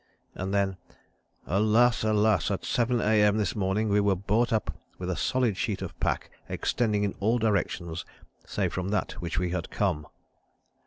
And then, "Alas! alas! at 7 A.M. this morning we were brought up with a solid sheet of pack extending in all directions, save that from which we had come."